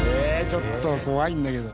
ちょっと怖いんだけど。